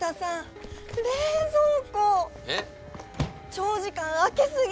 長時間開け過ぎ！